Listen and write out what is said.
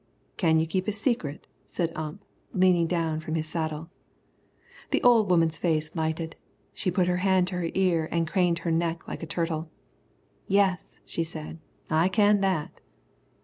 "Can you keep a secret?" said Ump, leaning down from his saddle. The old woman's face lighted. She put her hand to her ear and craned her neck like a turtle. "Yes," she said, "I can that."